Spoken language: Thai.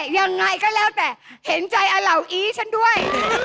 ยังไงก็แล้วแต่เห็นใจอเหล่าอีฉันด้วย